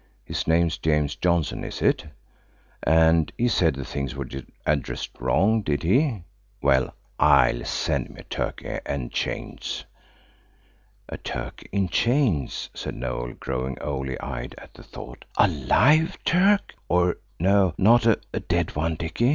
His name's James Johnson, is it? And he said the things were addressed wrong, did he? Well, I'll send him a Turkey and chains." "A Turk in chains," said Noël, growing owley eyed at the thought–"a live Turk–or–no, not a dead one, Dicky?"